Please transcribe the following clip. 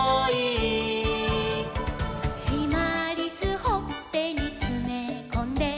「しまりすほっぺにつめこんで」